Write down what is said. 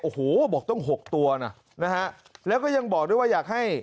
โอ้โหบอกต้องหกตัวนะนะฮะแล้วก็ยังบอกด้วยว่าอยากให้